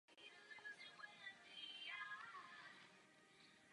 Neměl ani ruce ani nohy.